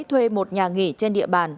thuê một nhà nghỉ trên địa bàn